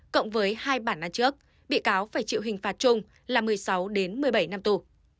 cộng với hai bản án trước bị cáo phải chịu hình phạt chung là một mươi sáu một mươi bảy năm tù